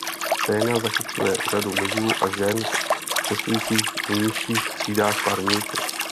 Scéna zachycuje řadu mužů a žen cestujících v nižších třídách parníku.